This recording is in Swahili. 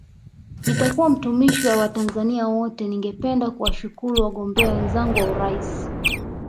Nitakuwa mtumishi wa Watanzania wote Ningependa kuwashukuru wagombea wenzangu wa urais